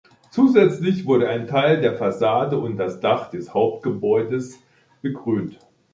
Zusätzlich wurde ein Teil der Fassade und das Dach des Hauptgebäudes begrünt.